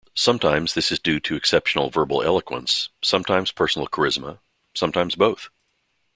Sometimes this is due to exceptional verbal eloquence, sometimes personal charisma, sometimes both.